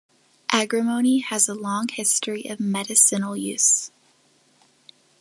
Agrimony has a long history of medicinal use.